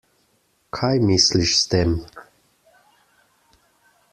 Kaj misliš s tem?